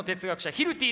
ヒルティ？